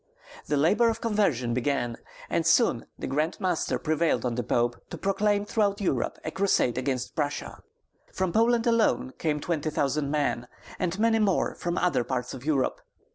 The labor of conversion began, and soon the grand master prevailed on the Pope to proclaim throughout Europe a crusade against Prussia. From Poland alone came twenty thousand men, and many more from other parts of Europe.